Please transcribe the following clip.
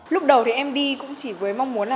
lúc đầu thì em đi cũng chỉ với mong muốn là